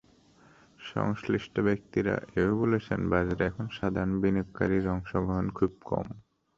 সংশ্লিষ্ট ব্যক্তিরা এ-ও বলছেন, বাজারে এখন সাধারণ বিনিয়োগকারীর অংশগ্রহণ খুব কম।